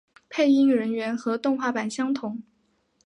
配音人员和动画版相同。